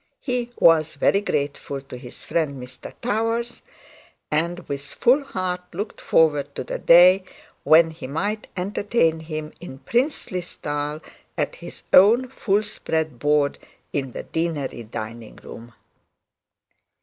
He was very grateful to his friend Mr Towers, and with full heart looked forward to the day when he might entertain him in princely style at his own full spread board in the deanery dining room.